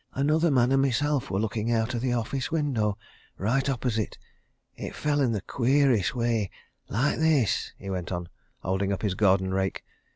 "Another man and myself were looking out of the office window, right opposite. It fell in the queerest way like this," he went on, holding up his garden rake.